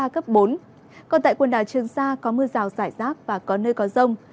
còn tại quần đảo trường sa có mưa rào rải rác và có nơi có rông